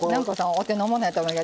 お手の物やと思います。